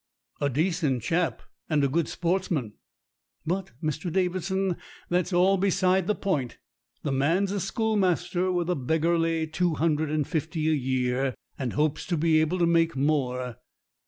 "A decent chap, and a good sportsman." "But, Mr. Davidson, that's all beside the point. The man's a schoolmaster with a beggarly two hun dred and fifty a year, and hopes to be able to make more.